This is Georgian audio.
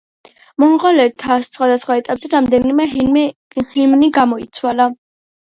მონღოლეთმა სხვადასხვა ეტაპზე რამდენიმე ჰიმნი გამოიცვალა.